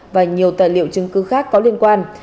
và nhiều tài liệu chứng cứ khác có liên quan